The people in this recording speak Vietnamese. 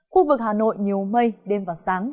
khu vực hà nội nhiều mây đêm và sáng